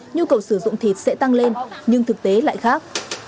nhu cầu sử dụng thịt sẽ tăng lên nhưng thực tế lại khác